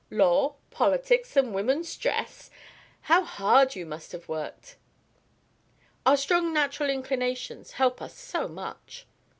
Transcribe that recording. "Law, politics, and woman's dress! How hard you must have worked!" "Our strong natural inclinations help us so much!"